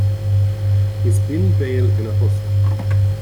Is binn béal ina thost